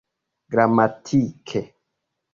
gramatike